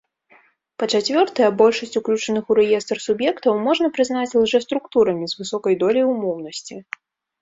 Па-чацвёртае, большасць уключаных у рэестр суб'ектаў можна прызнаць лжэструктурамі з высокай доляй умоўнасці.